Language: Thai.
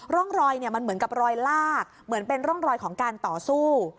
ร่องรอยมันเหมือนกับรอยลากเหมือนเป็นร่องรอยของการต่อสู้